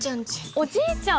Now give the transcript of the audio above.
おじいちゃん？